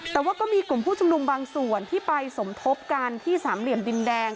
แต่ว่าก็มีกลุ่มผู้ชุมนุมบางส่วนที่ไปสมทบกันที่สามเหลี่ยมดินแดง